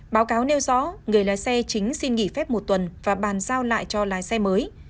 báo cáo nêu rõ người lái xe chính xin nghỉ phép một tuần và bàn giao lại cho lái xe mới